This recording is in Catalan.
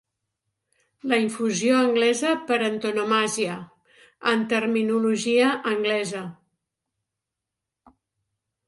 La infusió anglesa per antonomàsia, en terminologia anglesa.